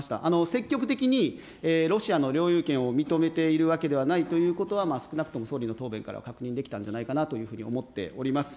積極的にロシアの領有権を認めているわけではないということは少なくとも総理の答弁からは確認できたんじゃないかなと思っております。